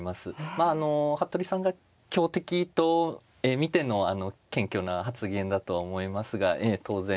まああの服部さんが強敵と見ての謙虚な発言だとは思いますが当然優勝を目指されてると思います。